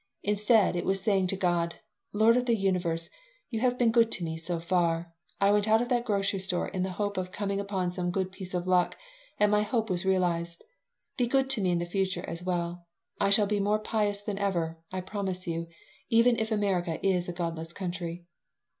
Instead, it was saying to God: "Lord of the Universe, you have been good to me so far. I went out of that grocery store in the hope of coming upon some good piece of luck and my hope was realized. Be good to me in the future as well. I shall be more pious than ever, I promise you, even if America is a godless country."